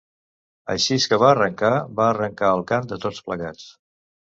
Aixís que va arrencar, va arrencar el cant de tots plegats